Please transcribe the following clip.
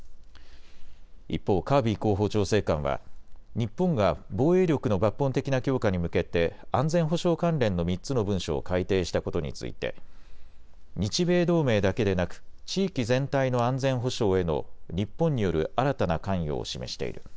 一方、カービー広報調整官は日本が防衛力の抜本的な強化に向けて安全保障関連の３つの文書を改定したことについて日米同盟だけでなく地域全体の安全保障への日本による新たな関与を示している。